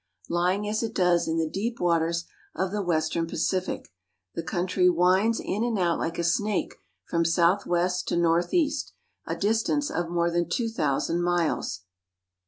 Lying as it does in the deep waters of the western Pacific, the country winds in and out like a snake from southwest to northeast, a distance of more than two thousand miles.